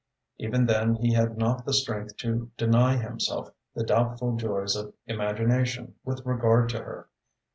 Even then he had not the strength to deny himself the doubtful joys of imagination with regard to her.